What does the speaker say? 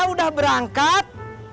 neng rika udah berangkat